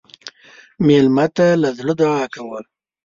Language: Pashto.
مېلمه ته له زړه دعا کوه.